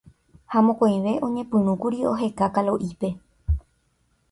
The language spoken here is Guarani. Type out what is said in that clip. Ha mokõive oñepyrũkuri oheka Kalo'ípe